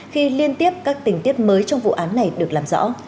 khi liên tiếp các tình tiết mới trong vụ án này được làm rõ